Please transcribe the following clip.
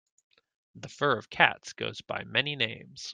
The fur of cats goes by many names.